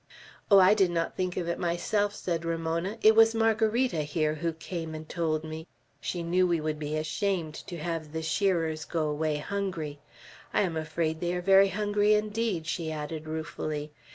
"Oh, I did not think of it myself," said Ramona. "It was Margarita, here, who came and told me. She knew we would be ashamed to have the shearers go away hungry. I am afraid they are very hungry indeed," she added ruefully.